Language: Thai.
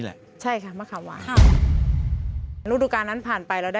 แล้วเรานึกในใจปีหน้า